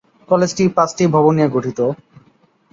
কলেজটি পাঁচটি ভবন নিয়ে গঠিত।